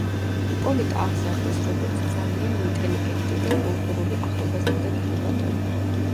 იპოლიტა აღზარდეს როგორც ძალიან ინტელიგენტი და კულტურული ახალგაზრდა ქალბატონი.